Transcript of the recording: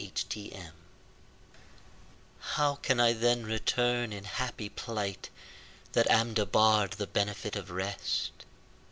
XXVIII How can I then return in happy plight, That am debarre'd the benefit of rest?